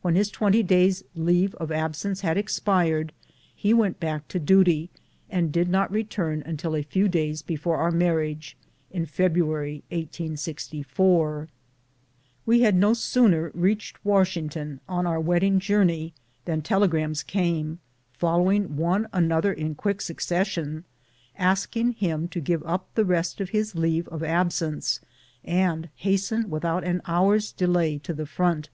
When his twenty days' leave of ab sence had expired he went back to duty, and did not return until a few days before our marriage, in Febru ary, 1864. We had no sooner reached Washington on our wed ding journey than telegrams came, following one another in quick succession, asking him to give up the rest of 1* 10 BOOTS AND SADDLES. his leave of absence, and hasten without an hour's delay to the front.